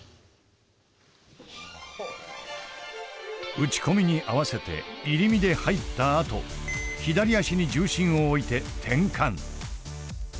打ち込みに合わせて入り身で入ったあと左足に重心を置いて転換。